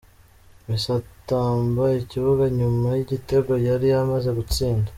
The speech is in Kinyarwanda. Messi atamba ikibuga nyuma y'igitego yari amaze gutsinda.